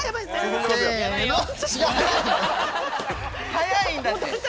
早いんだって。